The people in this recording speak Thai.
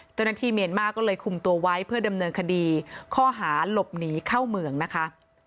เมียนมาร์ก็เลยคุมตัวไว้เพื่อดำเนินคดีข้อหาหลบหนีเข้าเมืองนะคะ